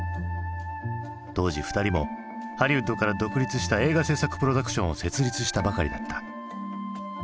当時２人もハリウッドから独立した映画製作プロダクションを設立したばかりだった。